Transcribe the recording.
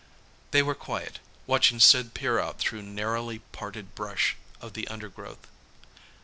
They were quiet, watching Sid peer out through narrowly parted brush of the undergrowth.